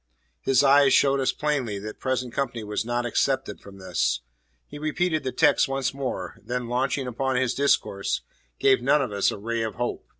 '" His eye showed us plainly that present company was not excepted from this. He repeated the text once more, then, launching upon his discourse, gave none of us a ray of hope.